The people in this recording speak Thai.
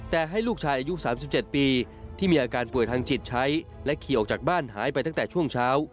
แต่ให้ลูกชายอายุ๓๗ปีที่มีอาการป่วยทางจิตใช้และขี่ออกจากบ้านหายไปตั้งแต่ช่วงเช้า